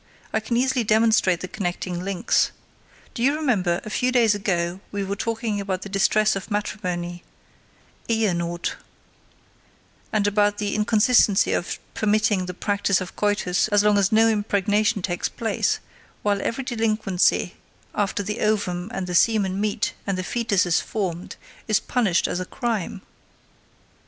I can easily demonstrate the connecting links. Do you remember, a few days ago we were talking about the distress of matrimony (Ehenot), and about the inconsistency of permitting the practice of coitus as long as no impregnation takes place, while every delinquency after the ovum and the semen meet and a foetus is formed is punished as a crime?